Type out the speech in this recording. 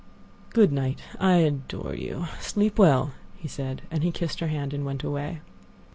"Good night. I adore you. Sleep well," he said, and he kissed her hand and went away.